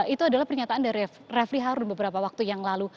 itu adalah pernyataan dari refli harun beberapa waktu yang lalu